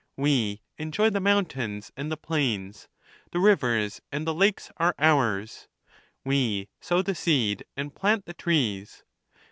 We enjoy the mountains and the plains. The rivers and the lakes are ours. We sow the seed, and plant the trees.